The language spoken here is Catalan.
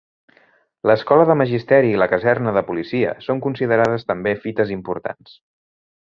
L'escola de Magisteri i la Caserna de Policia, són considerades també fites importants.